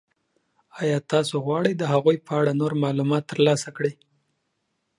آیا تاسو غواړئ د هغوی په اړه نور معلومات ترلاسه کړئ؟